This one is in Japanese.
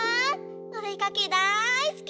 おでかけだいすき！